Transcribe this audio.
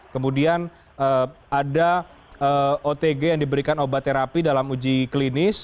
kemudian ada otg yang diberikan obat terapi dalam uji klinis